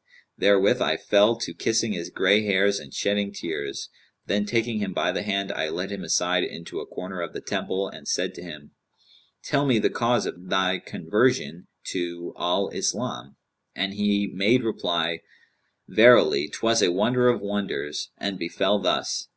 '[FN#206] Therewith I fell to kissing his grey hairs and shedding tears; then, taking him by the hand, I led him aside into a corner of the Temple and said to him, 'Tell me the cause of thy conversion to al Islam;' and he made reply, 'Verily, 'twas a wonder of wonders, and befell thus.